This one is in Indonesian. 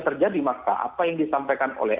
terjadi maka apa yang disampaikan oleh